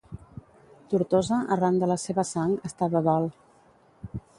Tortosa, arran de la seva sang, està de dol.